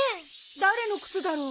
誰の靴だろう？